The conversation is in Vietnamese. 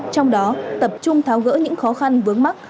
trong đó tập trung tháo gỡ những khó khăn vướng mắt